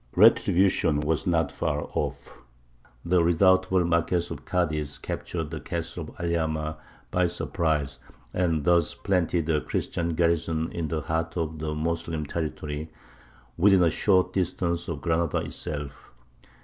Retribution was not far off. The redoubtable Marquess of Cadiz captured the castle of Alhama by surprise, and thus planted a Christian garrison in the heart of the Moslem territory, within a short distance of Granada itself.